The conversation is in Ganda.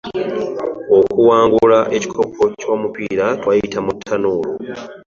Okuwangula ekikopo ky'omupiira twayita mu ttanuulu.